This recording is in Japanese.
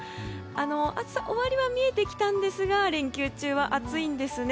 暑さ終わりは見えてきたんですが連休中は暑いんですね。